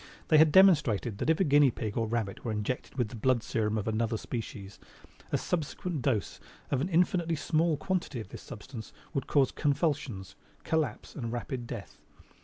They had demonstrated that if a guinea pig or rabbit were injected with the blood serum of another species, a subsequent dose of an infinitely small quantity of this substance would cause convulsions, collapse and rapid death.